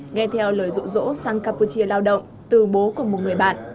nghe theo lời rỗ rỗ sang campuchia lao động từ bố của một người bạn